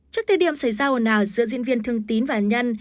trước thời điểm xảy ra hồn nào giữa diễn viên thương tín và anh nhân